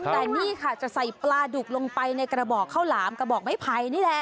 แต่นี่ค่ะจะใส่ปลาดุกลงไปในกระบอกข้าวหลามกระบอกไม้ไผ่นี่แหละ